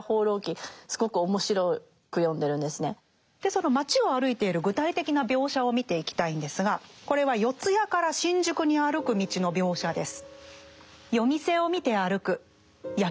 その街を歩いている具体的な描写を見ていきたいんですがこれは四谷から新宿に歩く道の描写です。